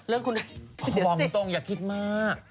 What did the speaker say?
เรื่องคุณเดี๋ยวสิพอบอกจริงอย่าคิดมาก